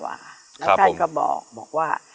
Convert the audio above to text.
ท่านก็บอกว่า